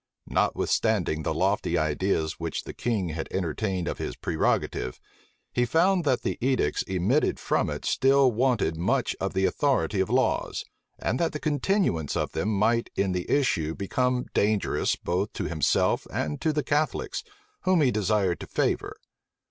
Notwithstanding the lofty ideas which the king had entertained of his prerogative, he found that the edicts emitted from it still wanted much of the authority of laws, and that the continuance of them might in the issue become dangerous both to himself and to the Catholics, whom he desired to favor.